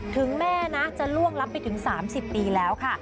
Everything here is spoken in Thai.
ถึงแม่นะจะล่วงลับไปถึง๓๐ปีแล้วค่ะ